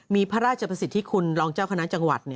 มีพระราชประสิทธิคุณรองเจ้าคณะจังหวัด